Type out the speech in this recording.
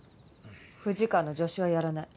富士川の助手はやらない。